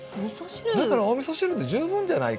だからおみそ汁で十分じゃないかと。